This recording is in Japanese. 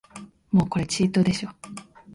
もうこれチートでしょ